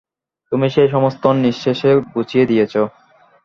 তুমিই সে সমস্ত নিঃশেষে ঘুচিয়ে দিয়েছ।